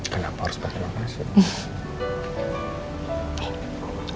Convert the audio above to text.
kenapa harus berterima kasih